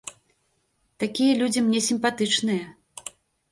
Такія людзі мне сімпатычныя.